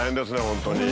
本当に。